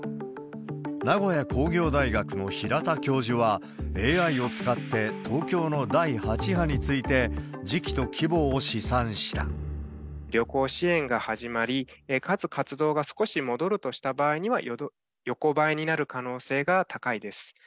名古屋工業大学の平田教授は、ＡＩを使って東京の第８波について、旅行支援が始まり、かつ活動が少し戻るとした場合は、横ばいになる可能性が高いです。